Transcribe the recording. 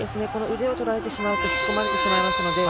腕をとられてしまうと引き込まれてしまいます。